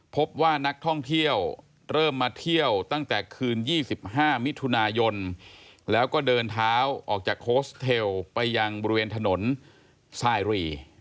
พบว่านักท่องเที่ยวเริ่มมาเที่ยวตั้งแต่คืน๒๕มิถุนายนแล้วก็เดินเท้าออกจากโคสเทลไปยังบริเวณถนนสายรี